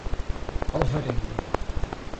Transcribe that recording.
Alvarenga